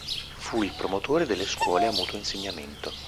Fu il promotore delle scuole a mutuo insegnamento.